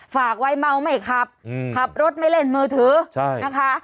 ฝากไว้เมาไม่ขับขับรถไม่เล่นมือถือนะคะ